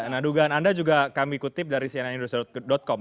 nah dugaan anda juga kami kutip dari cnnindonesia com